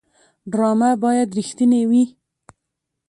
ډرامه باید رښتینې وي